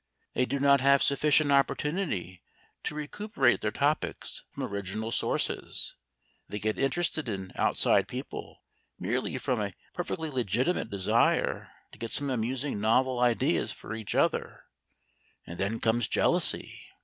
They do not have sufficient opportunity to recuperate their topics from original sources. They get interested in outside people, merely from a perfectly legitimate desire to get some amusing novel ideas for each other, and then comes jealousy.